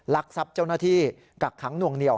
ลักทรัพย์เจ้าหน้าที่กักขังหน่วงเหนียว